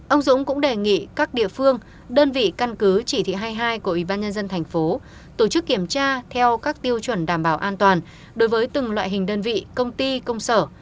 ông dũng cũng đề nghị các địa phương đơn vị căn cứ chỉ thị hai mươi hai của ubnd tp tổ chức kiểm tra theo các tiêu chuẩn đảm bảo an toàn đối với từng loại hình đơn vị công ty công sở